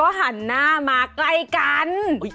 หันหน้ามาใกล้กัน